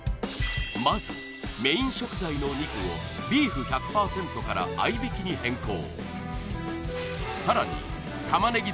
まずメイン食材のお肉をビーフ１００％から合い挽きに変更